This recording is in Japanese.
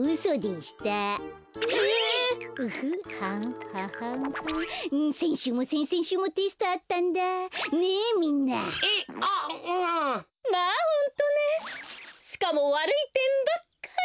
しかもわるいてんばっかり。